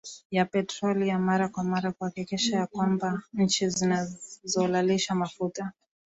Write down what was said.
ya petroli ya mara kwa mara Kuhakikisha ya kwamba nchi zinazolalisha mafuta